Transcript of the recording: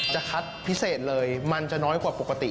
จะคัดพิเศษเลยมันจะน้อยกว่าปกติ